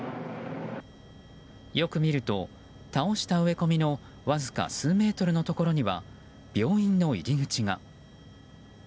よく見ると、倒した植え込みのわずか数メートルのところには病院の入り口が。